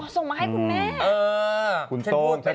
ส่งมาให้คุณแม่